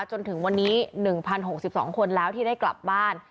จนถึงวันนี้๑๐๖๒คนแล้วที่ได้กลับบ้าน